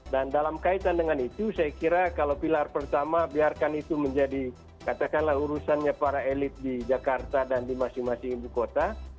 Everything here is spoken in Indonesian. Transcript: dan dalam kaitan dengan itu saya kira kalau pilar pertama biarkan itu menjadi katakanlah urusannya para elit di jakarta dan di masing masing ibu kota